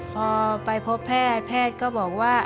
พอไปพบแพทย์แพทย์ก็บอกว่า